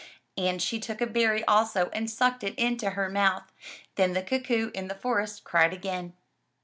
And she took a berry also and sucked it into her mouth. Then the cuckoo in the forest cried again.